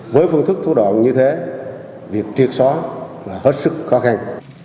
với phương thức thu đoạn như thế việc triệt xóa là hết sức khó khăn